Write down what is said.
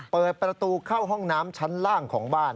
เปิดประตูเข้าห้องน้ำชั้นล่างของบ้าน